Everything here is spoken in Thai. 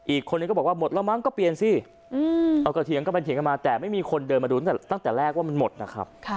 อีกคนนึงก็บอกว่าหมดแล้วมั้งก็เปลี่ยนสิเอาก็เถียงกันไปเถียงกันมาแต่ไม่มีคนเดินมาดูตั้งแต่แรกว่ามันหมดนะครับ